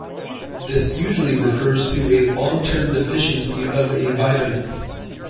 This usually refers to a long-term deficiency of a vitamin.